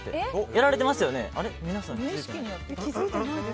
やられてますよね？